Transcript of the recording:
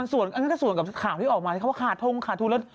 อันนี้ก็ส่วนกับข่าวที่ออกมาที่เขาว่าขาดทุ่งขาดทุ่น